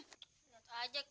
tidak tahu saja kak